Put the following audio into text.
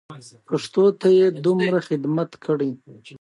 پښتو ته یې دومره خدمت کړی چې د چا پلار یې نه شي کولای.